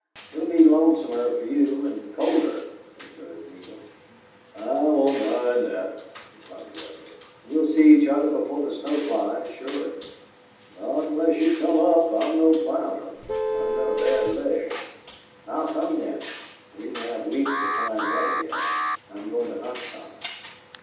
"It'll be lonesomer for you and colder," observed Neale. "I won't mind that," replied the other. "We'll see each other before the snow flies, surely." "Not unless you come up. I'm no climber. I've got a bad leg." "I'll come, then. We may have weeks of fine weather yet. I'm going to hunt some."